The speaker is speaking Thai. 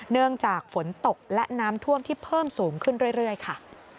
เนื่องจากฝนตกและน้ำท่วมที่เพิ่มสูงขึ้นเรื่อยค่ะ